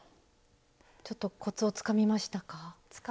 ちょっとコツをつかみましたか？